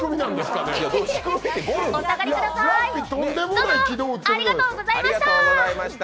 ぞの、ありがとうございました。